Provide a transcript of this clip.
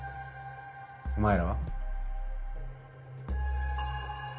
お前らは？